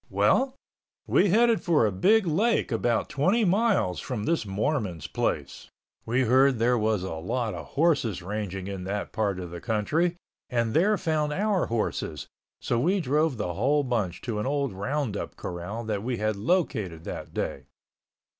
Well, we headed for a big lake about twenty miles from this Mormon's place. We heard there was a lot of horses ranging in that part of the country and there found our horses, so we drove the whole bunch to an old roundup corral that we had located that day.